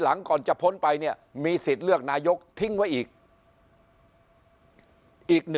ก่อนจะพ้นไปเนี่ยมีสิทธิ์เลือกนายกทิ้งไว้อีก๑